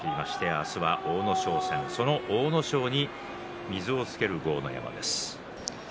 明日の対戦相手、阿武咲に水をつける豪ノ山です。